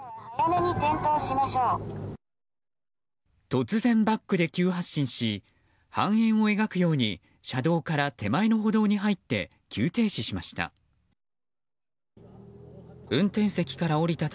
突然バックで急発進し半円を描くように車道から手前の歩道に入って急停止しました。